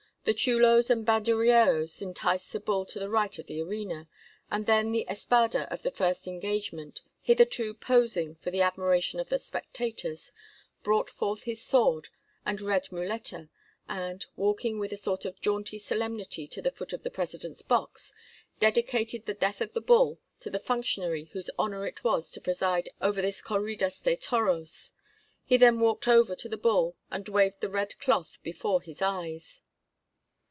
The chulos and banderilleros enticed the bull to the right of the arena, and then the espada of the first engagement, hitherto posing for the admiration of the spectators, brought forth his sword and red muleta, and, walking with a sort of jaunty solemnity to the foot of the president's box, dedicated the death of the bull to the functionary whose honor it was to preside over this Corridas de Toros. He then walked over to the bull and waved the red cloth before his eyes.